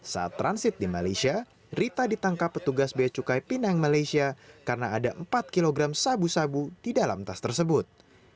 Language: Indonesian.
saat transit di malaysia rita ditangkap petugas bea cukai pinang malaysia karena ada empat kg sabu sabu di dalam tas tersebut